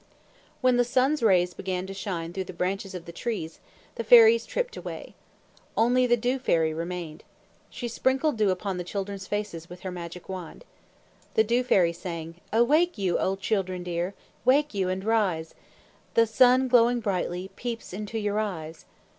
When the sun's rays began to shine through the branches of the trees, the fairies tripped away. Only the Dew Fairy remained. She sprinkled dew upon the children's faces with her magic wand. The Dew Fairy sang, "Awake you, O children dear, Wake you and rise! The sun glowing brightly, peeps Into your eyes!"